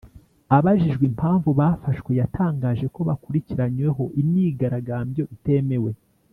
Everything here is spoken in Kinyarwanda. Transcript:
abajijwe impamvu bafashwe yatangaje ko bakurikiranyweho imyigaragambyo itemewe